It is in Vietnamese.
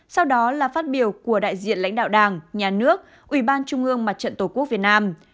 sau đó là phát biểu của đại diện lãnh đạo đảng nhà nước ủy ban trung ương mặt trận tổ quốc việt nam